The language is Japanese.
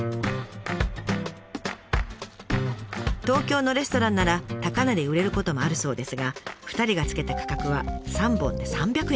東京のレストランなら高値で売れることもあるそうですが２人がつけた価格は３本で３００円。